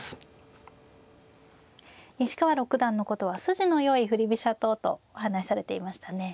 西川六段のことは筋のよい振り飛車党とお話しされていましたね。